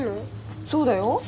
そうだよ。